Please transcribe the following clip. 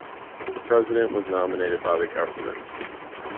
The president was nominated by the government.